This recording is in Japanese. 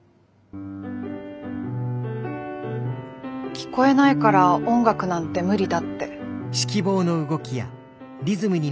聞こえないから音楽なんて無理だって。